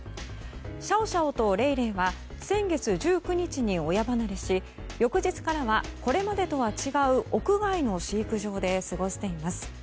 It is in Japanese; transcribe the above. シャオシャオとレイレイは先月１９日に親離れし翌日からは、これまでとは違う屋外の飼育場で過ごしています。